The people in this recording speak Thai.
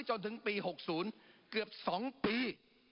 จนถึงปี๖๐เกือบ๒ปี